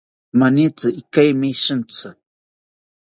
Manitzi ikeimi shintzi